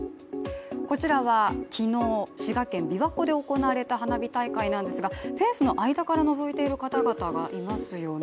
こちらは昨日、滋賀県びわ湖で行われた花火大会なのですがフェンスの間からのぞいている方々がいますよね。